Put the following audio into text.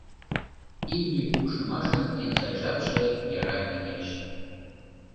Имне пукшымашын эн сай жапше — яра кеҥеж!